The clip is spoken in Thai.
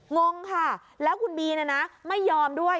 งงค่ะแล้วคุณบีลไม่ยอมด้วย